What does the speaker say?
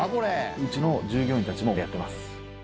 うちの従業員たちもやってます。